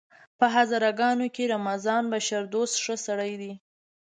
په هزاره ګانو کې رمضان بشردوست ښه سړی دی!